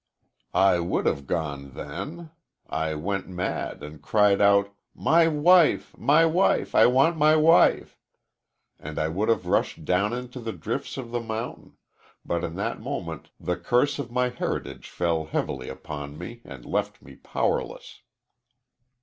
"I would have gone then. I went mad and cried out, 'My wife! my wife! I want my wife!' And I would have rushed down into the drifts of the mountain, but in that moment the curse of my heritage fell heavily upon me and left me powerless."